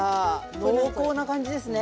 濃厚な感じですね